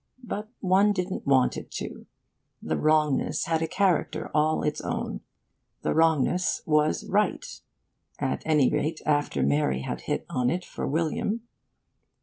But one didn't want it to. The wrongness had a character all its own. The wrongness was right at any rate after Mary had hit on it for William.